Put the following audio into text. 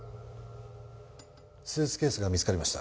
スーツケースが見つかりました。